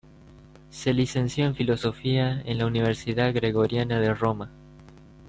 Se licenció en Filosofía en la Universidad Gregoriana de Roma.